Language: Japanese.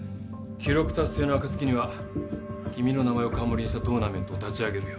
記録達成の暁には君の名前を冠にしたトーナメントを立ち上げるよ。